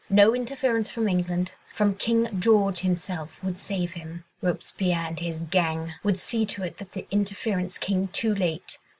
No interference from England—from King George himself—would save him. Robespierre and his gang would see to it that the interference came too late.